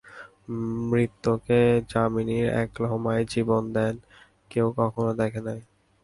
মৃতকে যামিনীর এক লহমার জীবন দান কেহ কখনো দ্যাখে নাই।